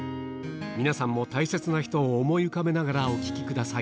皆さんも大切な人を思い浮かべながらお聴きください